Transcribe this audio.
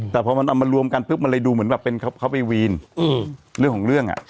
แต่พอมันเอามารวมกันปุ๊บมันเลยดูเหมือนแบบเป็นเขาไปวีนเรื่องของเรื่องอ่ะ